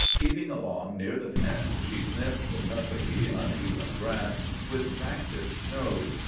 Keeping along near the fence, she sniffed the tussocky, uneven grass with practised nose.